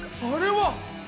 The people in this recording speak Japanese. あれは！